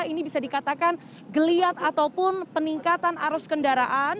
ini bisa dikatakan geliat ataupun peningkatan arus kendaraan